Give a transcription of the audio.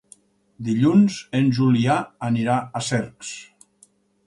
Dilluns en Julià anirà a Cercs.